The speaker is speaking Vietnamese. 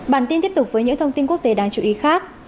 bản tin tiếp tục với những thông tin quốc tế đáng chú ý khác